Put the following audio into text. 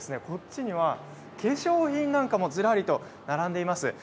こっちには化粧品なんかもずらりと並んでいます。